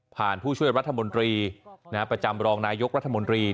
ผู้ช่วยรัฐมนตรีประจำรองนายกรัฐมนตรี